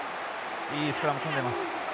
いいスクラム組んでます。